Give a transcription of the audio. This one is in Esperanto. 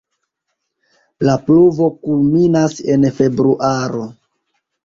La pluvo kulminas en februaro.